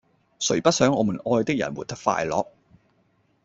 誰不想我們愛的人活得快樂